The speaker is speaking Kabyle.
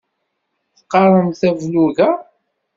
Teqqaremt ablug-a?